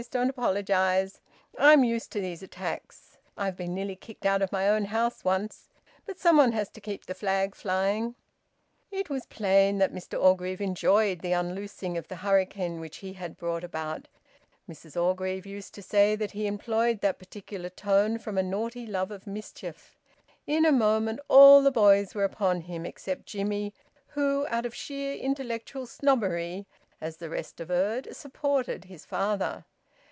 Don't apologise! I'm used to these attacks. I've been nearly kicked out of my own house once. But some one has to keep the flag flying." It was plain that Mr Orgreave enjoyed the unloosing of the hurricane which he had brought about. Mrs Orgreave used to say that he employed that particular tone from a naughty love of mischief. In a moment all the boys were upon him, except Jimmie, who, out of sheer intellectual snobbery, as the rest averred, supported his father.